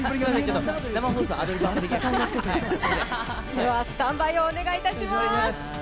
では、スタンバイをお願いします。